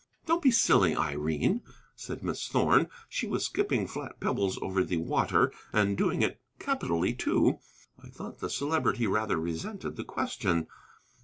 "Don't be silly, Irene," said Miss Thorn. She was skipping flat pebbles over the water, and doing it capitally, too. I thought the Celebrity rather resented the question.